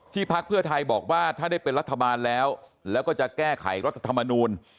พักเพื่อไทยบอกว่าถ้าได้เป็นรัฐบาลแล้วแล้วก็จะแก้ไขรัฐธรรมนูล